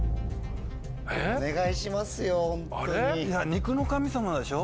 肉の神様でしょ？